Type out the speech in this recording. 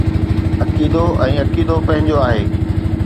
عقيدو ۽ عقيدو پنهنجو آهي.